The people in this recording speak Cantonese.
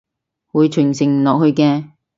會傳承落去嘅！